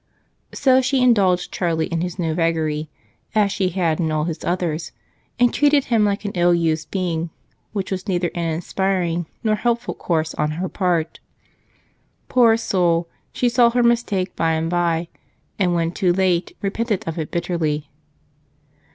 So she indulged Charlie in his new vagary, as she had in all his others, and treated him like an ill used being, which was neither an inspiring nor helpful course on her part. Poor soul! She saw her mistake by and by, and when too late repented of it bitterly.